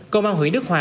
công an huyện đức hòa